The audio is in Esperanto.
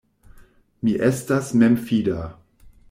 Mi estas memfida.